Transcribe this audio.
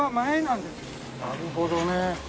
なるほどね。